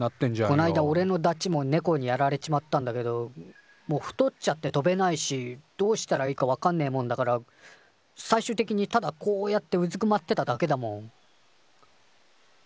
こないだおれのダチもネコにやられちまったんだけどもう太っちゃって飛べないしどうしたらいいかわかんねえもんだから最終的にただこうやってうずくまってただけだもん。